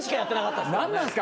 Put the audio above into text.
何なんすか？